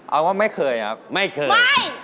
เอาว่าไม่เคยครับไม่เคย